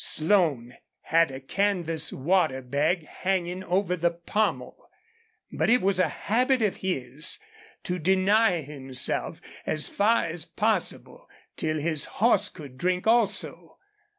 Slone had a canvas water bag hanging over the pommel, but it was a habit of his to deny himself, as far as possible, till his horse could drink also.